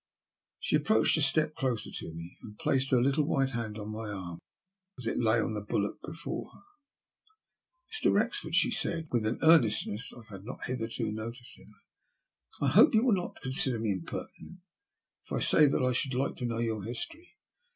She approached a step closer to me, and placed her little white hand on my arm as it lay on the bulwark before her. ''Mr. Wrezford," she said, with an earnestness I had not hitherto noticed in her, I hope you will not consider me impertinent if I say that I should like to know your history.